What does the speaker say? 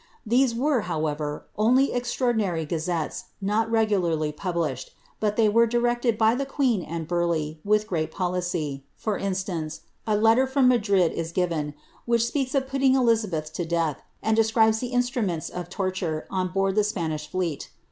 These were, however, only extraordinary gazettes, not regularly published, but they were directed by the queen and Burleigh, with great policy — ^for instance, a letter from Madrid is given, which speaks of putting Elizabeth to death, and describes the instruments of torture on board the Spanish fleet.